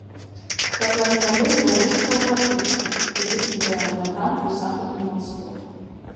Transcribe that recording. Катлавіна возера рэшткавага тыпу, выцягнутая ў напрамку з захаду на ўсход.